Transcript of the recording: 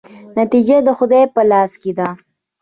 نتیجه د خدای په لاس کې ده؟